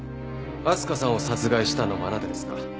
明日香さんを殺害したのもあなたですか？